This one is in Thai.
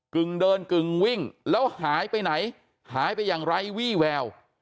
กึ่งเดินกึ่งวิ่งแล้วหายไปไหนหายไปอย่างไร้วี่แวว